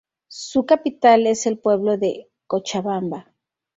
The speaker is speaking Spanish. Su capital es el pueblo de Cochabamba.